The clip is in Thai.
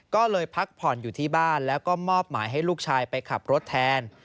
ก็เลยพักผ่อนอยู่ที่บ้านแล้วก็มอบหมายให้ลูกชายไปขับรถแทน